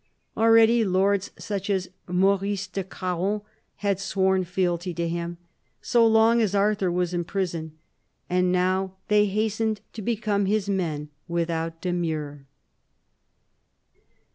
Already lords such as Maurice de Craon had sworn fealty to him so long as Arthur was in prison, and now they hastened to become his men without demur.